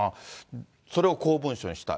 それを公文書にした。